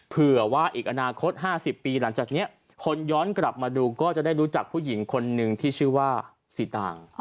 เผื่อว่าอีกอนาคต๕๐ปีหลังจากนี้คนย้อนกลับมาดูก็จะได้รู้จักผู้หญิงคนหนึ่งที่ชื่อว่าสีตาง